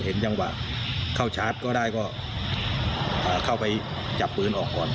เห็นจังหวะนั่นก็เอาพื้นออกกอง